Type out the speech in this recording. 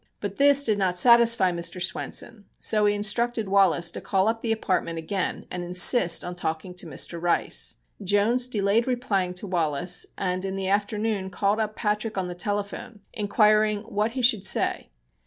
But this did not satisfy Mr. Swenson, so he instructed Wallace to call up the apartment again and insist on talking to Mr. Rice. Jones delayed replying to Wallace and in the afternoon called up Patrick on the telephone, inquiring what he should say.